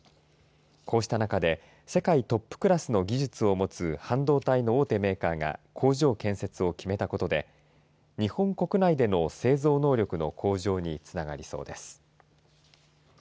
こうした中で世界トップクラスの技術を持つ半導体の大手メーカーが工場建設を決めたことで日本国内での製造能力の向上につながりそうです。